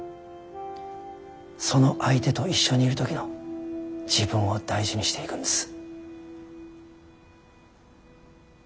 その相手と一緒にいる時の自分を大事にしていくんです。